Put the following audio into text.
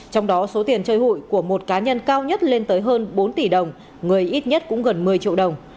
trong đó số tiền chơi hụi của một cá nhân cao nhất lên tới hơn bốn tỷ đồng người ít nhất cũng gần một mươi triệu đồng